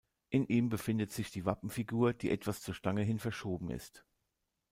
In ihm befindet sich die Wappenfigur, die etwas zur Stange hin verschoben ist.